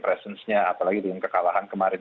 presence nya apalagi dengan kekalahan kemarin